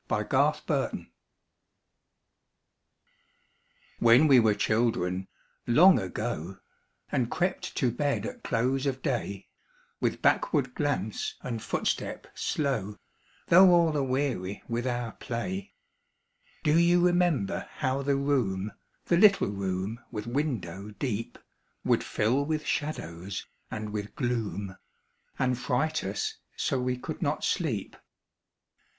THE GHOSTS OF NIGHT. When we were children, long ago, And crept to bed at close of day, With backward glance and footstep slow, Though all aweary with our play, Do you remember how the room The little room with window deep Would fill with shadows and with gloom, And fright us so we could not sleep?